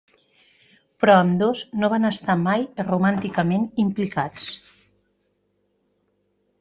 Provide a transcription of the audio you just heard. Però ambdós no van estar mai romànticament implicats.